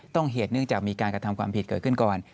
เหตุเนื่องจากมีการกระทำความผิดเกิดขึ้นก่อน